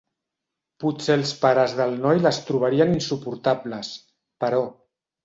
Potser els pares del noi les trobarien insuportables, però.